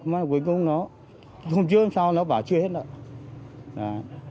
mà cuối cùng nó hôm trước sau nó bảo chưa hết nữa